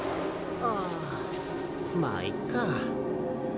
ああまあいっか。